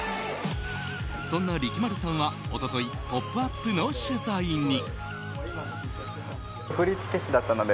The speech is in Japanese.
そんな力丸さんは一昨日「ポップＵＰ！」の取材に。